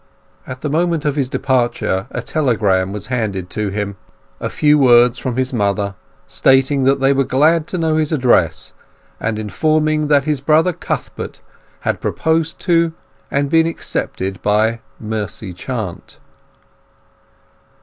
At the moment of his departure a telegram was handed to him—a few words from his mother, stating that they were glad to know his address, and informing him that his brother Cuthbert had proposed to and been accepted by Mercy Chant.